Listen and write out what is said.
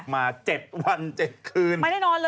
มา๗วัน๗คืน